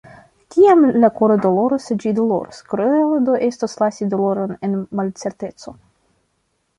Kiam la koro doloras, ĝi doloras, kruele do estus lasi doloron en malcerteco.